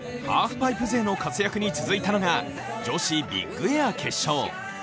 ハーフパイプ勢の活躍に続いたのが女子ビッグエア決勝。